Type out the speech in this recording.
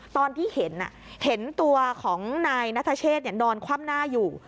ตอนที่เห็นเห็นตัวของนายนัทเชษนอนคว่ำหน้าอยู่